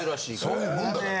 そういうもんだから。